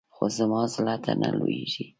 خو زما زړه ته نه لوېږي.